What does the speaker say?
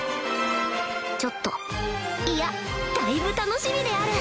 ちょっといやだいぶ楽しみである